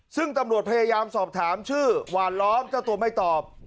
ซึ่งตำรวจพยายามสอบถามชื่อหวานล้อมเจ้าตัวไม่ตอบ